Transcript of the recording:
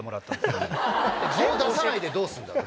「顔を出さないでどうすんだ」と。